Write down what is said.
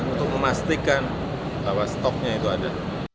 untuk memastikan bahwa stoknya itu ada